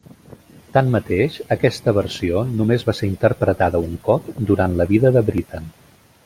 Tanmateix, aquesta versió només va ser interpretada un cop durant la vida de Britten.